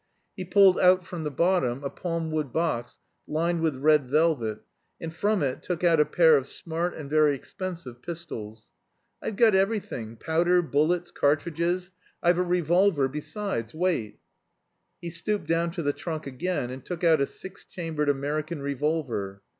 He pulled out from the bottom a palm wood box lined with red velvet, and from it took out a pair of smart and very expensive pistols. "I've got everything, powder, bullets, cartridges. I've a revolver besides, wait." He stooped down to the trunk again and took out a six chambered American revolver.